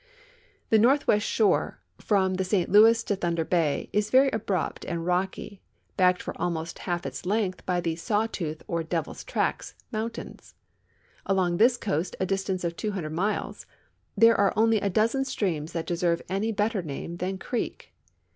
The northwest shore, from the St Louis to Thunder bay, is very abrupt and rocky, backed for about half its length by the " Sawtooth " or " Devil's Tracks" mountains. Along this coast, a distance of 200 miles, there are only a dozen streams that de serve any better name than creek.